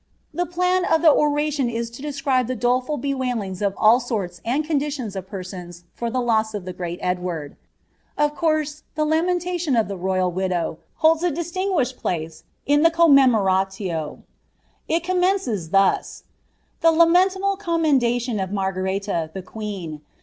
The plan of the oration is to describe the doleful bewailings of all sorts mmI eundilions of persons for the loss of the great Edward. Of course, 4m lameniaiion of the royal widow holds a distinguished place in the te^mtmontUi. it commences thus :" The lamentable commendation of Harnreia, the queen.